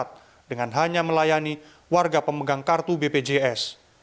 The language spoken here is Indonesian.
pembelian lebih ketat dengan hanya melayani warga pemegang kartu bpjs